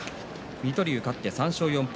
水戸龍、勝って３勝４敗。